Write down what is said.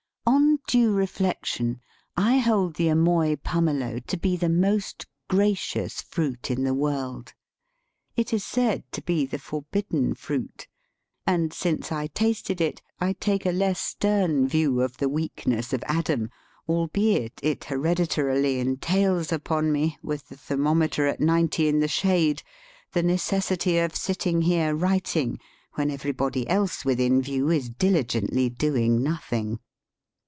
On due reflection I hold the Amoy pumelo to be the most gracious fruit in the world. It is said to be the for bidden fruit," and since I tasted it I take a less stem view of the weakness of Adam, albeit it hereditarily entails upon me, with the thermo meter at 90° in the shade, the necessity of sitting here writing when everybody else within view is diligently doing nothing.